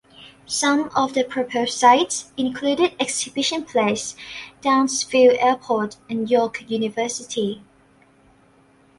Some of the proposed sites included Exhibition Place, Downsview Airport, and York University.